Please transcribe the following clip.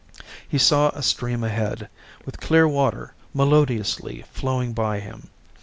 He saw a stream ahead, with clear water melodiously flowing by him.